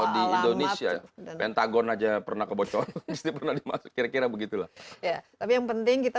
di indonesia pentagon aja pernah kebocoran kira kira begitulah ya tapi yang penting kita